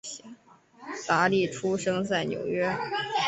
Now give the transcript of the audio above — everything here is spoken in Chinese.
达利出生在纽约。